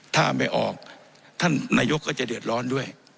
ถ้าไม่ออกท่านนายกก็จะเดือดร้อนด้วย